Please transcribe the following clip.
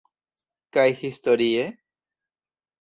Kaj historie?